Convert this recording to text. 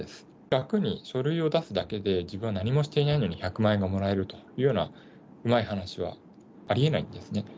楽に書類を出すだけで、自分は何もしていないのに１００万円がもらえるというようなうまい話はありえないんですね。